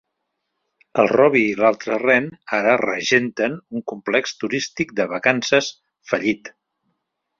El Robbie i l'altre ren ara regenten un complex turístic de vacances fallit.